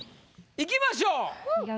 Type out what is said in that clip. いきましょう。